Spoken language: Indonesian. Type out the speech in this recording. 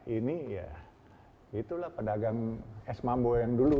ini ya itulah pedagang es mambo yang dulu